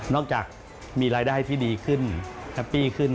จากมีรายได้ที่ดีขึ้นแฮปปี้ขึ้น